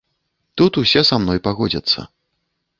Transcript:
Тут усе са мной пагодзяцца.